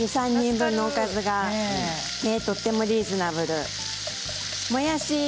２、３人のおかずがとてもリーズナブルです。